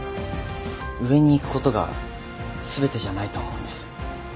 上に行くことが全てじゃないと思うんです。